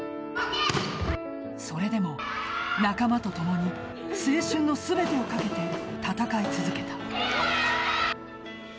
それでも仲間とともに青春の全てをかけて戦い続けた。